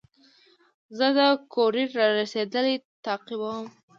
زه د کوریر رارسېدل تعقیبوم.